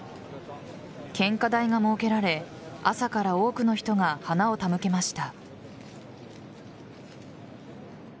献花台が設けられ朝から多くの人が花を手向けました。